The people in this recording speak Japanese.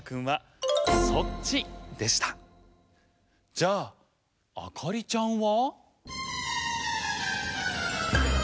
じゃああかりちゃんは？